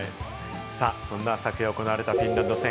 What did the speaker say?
そんな昨夜、行われたフィンランド戦。